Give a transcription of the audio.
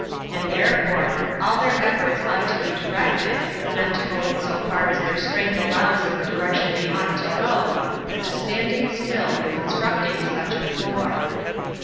And, therefore, all their efforts ought to be directed, not to going so far as their strength allows in the direction they ought to go, but to standing still and constructing such a floor.